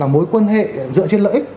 là mối quan hệ dựa trên lợi ích